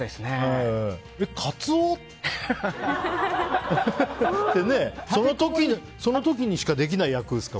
えっ、カツオってねその時にしかできない役ですから。